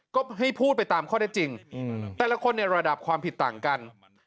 ก็ให้พูดไปตามข้อได้จริงแต่ละคนในระดับความผิดต่างกัน